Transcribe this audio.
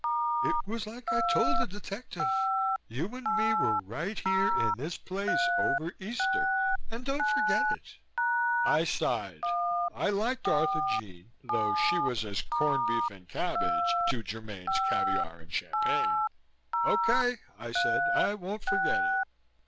It was like I told that detective. You and me were right here in this place over Easter and don't forget it." I sighed. I liked Arthurjean, though she was as corned beef and cabbage to Germaine's caviar and champagne. "Okay," I said. "I won't forget it."